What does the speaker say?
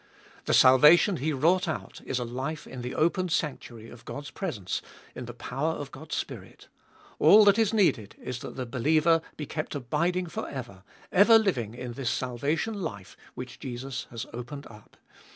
The salvation He has wrought out is a life in the opened sanctuary of God's presence in the power of God's Spirit; all that is needed is that the believer be kept abiding for ever, ever living in this salvation life which Jesus has opened up.